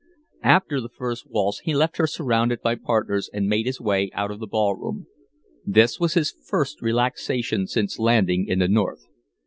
After the first waltz he left her surrounded by partners and made his way out of the ballroom. This was his first relaxation since landing in the North.